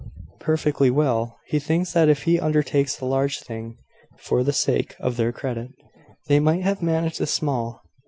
"Perfectly well. He thinks that if he undertakes the large thing, for the sake of their credit, they might have managed the small.